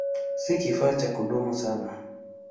Si kifaa cha kudumu sana.